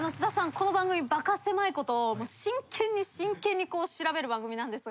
この番組バカせまいことを真剣に真剣に調べる番組なんですが。